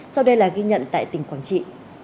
sau đây là ghi nhận tại tỉnh quảng trị